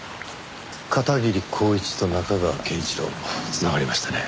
片桐晃一と中川敬一郎繋がりましたね。